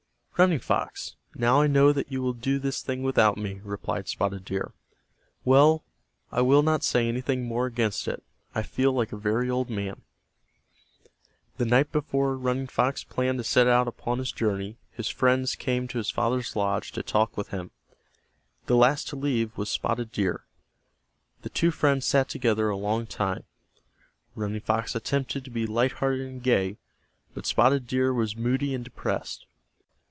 "Running Fox, now I know that you will do this thing without me," replied Spotted Deer. "Well, I will not say anything more against it. I feel like a very old man." The night before Running Fox planned to set out upon his journey his friends came to his father's lodge to talk with him. The last to leave was Spotted Deer. The two friends sat together a long time. Running Fox attempted to be light hearted and gay, but Spotted Deer was moody and depressed.